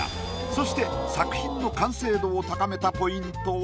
そして作品の完成度を高めたポイントは。